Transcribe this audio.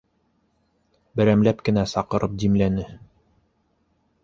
Берәмләп кенә саҡырып димләне.